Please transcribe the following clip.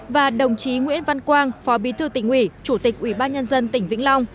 và đồng chí nguyễn văn quang phó bí thư tỉnh ủy chủ tịch ủy ban nhân dân tỉnh vĩnh long